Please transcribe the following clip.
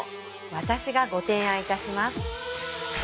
私がご提案いたします